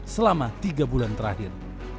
selama tiga bulan terakhir